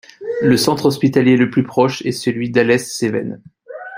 Le centre hospitalier le plus proche est celui d'Alès-Cévennes.